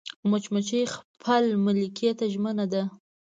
مچمچۍ خپل ملکې ته ژمنه ده